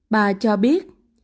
bà cho biết